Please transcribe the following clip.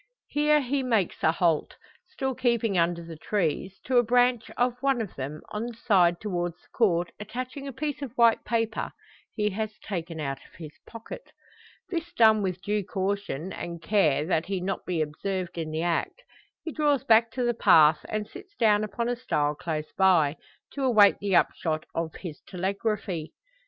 Here he makes a halt, still keeping under the trees; to a branch of one of them, on the side towards the Court attaching a piece of white paper, he has taken out of his pocket. This done with due caution, and care that he be not observed in the act, he draws back to the path, and sits down upon a stile close by to await the upshot of his telegraphy.